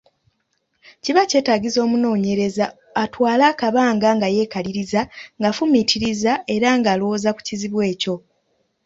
Kiba kyetaagisa omunoonyereza atwale akabanga nga yeekaliriza, ng’afumiitiriza era ng’alowooza ku kizibu ekyo.